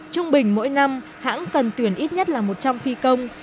trung bình mỗi năm hãng cần tuyển ít nhất là một trăm linh phi công